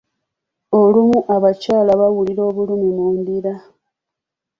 Olumu abakyala bawulira obulumi mu ndira.